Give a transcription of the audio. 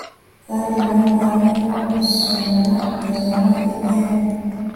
kandi mama hamwe no gusomana azampa igihembo